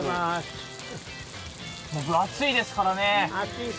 分厚いですからね。